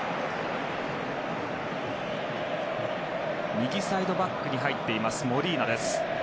右サイドバックに入っていますモリーナ。